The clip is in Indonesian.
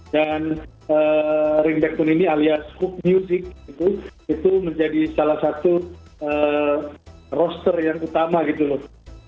dan ringback tone ini alias cook music itu menjadi salah satu roster yang utama gitu loh